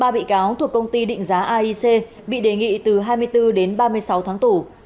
ba bị cáo thuộc công ty định giá aic bị đề nghị từ hai mươi bốn đến ba mươi sáu tháng tù